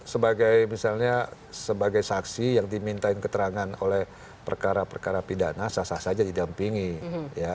sebagai misalnya sebagai saksi yang dimintain keterangan oleh perkara perkara pidana sah sah saja didampingi ya